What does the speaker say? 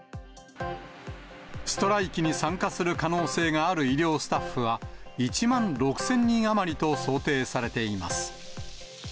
ストライキに参加する可能性がある医療スタッフは、１万６０００人余りと想定されています。